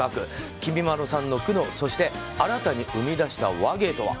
きみまろさんの苦悩そして新たに生み出した話芸とは。